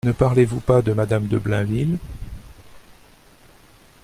Ne parlez-vous pas de madame de Blainville ?